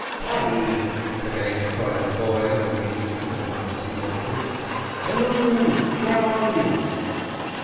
"Paddy!" again cried the boy, when he had eaten as much as he wanted. "Hullo! where are you?"